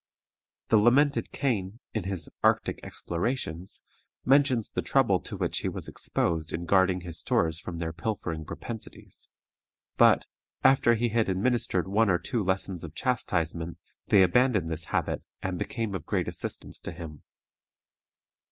The lamented Kane, in his "Arctic Explorations," mentions the trouble to which he was exposed in guarding his stores from their pilfering propensities; but, after he had administered one or two lessons of chastisement, they abandoned this habit, and became of great assistance to him.